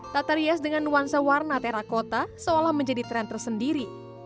tetarias dengan nuansa warna terakota seolah menjadi tren tersendiri